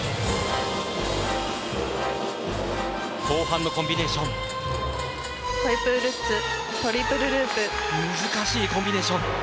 後半のコンビネーション。